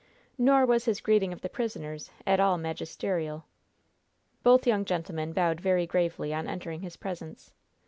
Nor was his greeting of the prisoners at all magisterial. Both young gentlemen bowed very gravely on entering his presence.